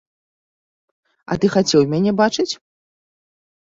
А ты хацеў мяне бачыць?